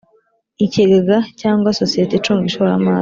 Ikigega cyangwa sosiyete icunga ishoramari